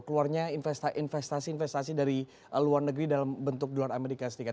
keluarnya investasi investasi dari luar negeri dalam bentuk dolar amerika serikat